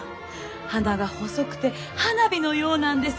花が細くて花火のようなんです。